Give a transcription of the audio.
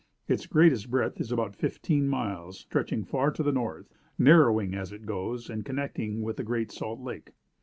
Its greatest breadth is about fifteen miles, stretching far to the north, narrowing as it goes, and connecting with the Great Salt Lake.